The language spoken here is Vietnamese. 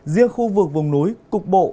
riêng khu vực vùng núi cục bộ